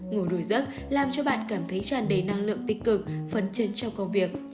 ngủ đủ giấc làm cho bạn cảm thấy tràn đầy năng lượng tích cực phấn chân trong công việc